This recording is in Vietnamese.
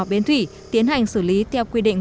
bến thủy tiến hành xử lý theo quy định